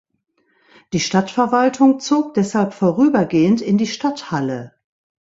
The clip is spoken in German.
Die Stadtverwaltung zog deshalb vorübergehend in die Stadthalle.